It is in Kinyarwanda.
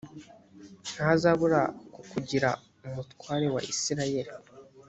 ntazabura kukugira umutware wa isirayeli